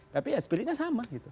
tapi ya spiritnya sama gitu